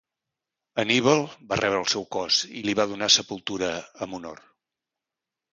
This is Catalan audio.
Anníbal va rebre el seu cos i li va donar sepultura amb honor.